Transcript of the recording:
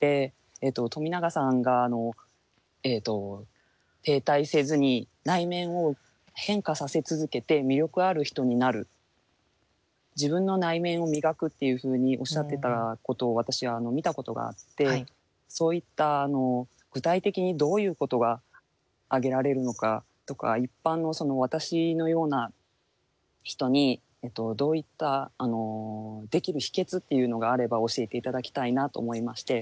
冨永さんが停滞せずに内面を変化させ続けて魅力ある人になる自分の内面を磨くっていうふうにおっしゃってたことを私は見たことがあってそういった具体的にどういうことが挙げられるのかとか一般の私のような人にどういったできる秘訣っていうのがあれば教えて頂きたいなと思いまして。